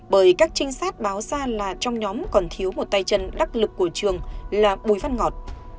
bởi các trinh sát báo ra là trong nhóm còn thiếu một tay chân đắc lực của trường là bùi văn ngọt